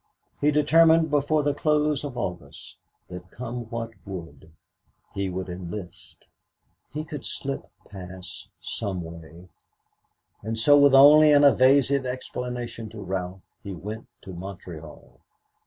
He determined before the close of August that, come what would, he would enlist. He could slip past some way, and so with only an evasive explanation to Ralph he went to Montreal.